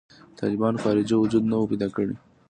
طالبانو خارجي وجود نه و پیدا کړی.